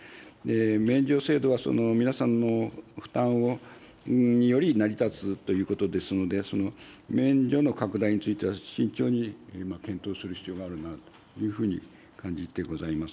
免除制度は皆さんの負担により成り立つということですので、免除の拡大については、慎重に検討する必要があるなというふうに感じてございます。